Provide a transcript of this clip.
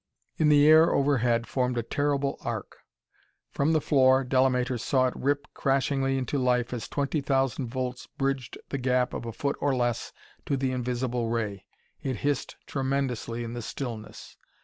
In the air overhead formed a terrible arc. From the floor, Delamater saw it rip crashingly into life as twenty thousand volts bridged the gap of a foot or less to the invisible ray. It hissed tremendously in the stillness....